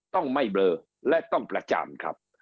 ต้องไม่เบลอและต้องประจานครับ